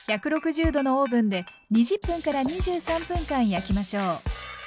１６０℃のオーブンで２０分から２３分間焼きましょう。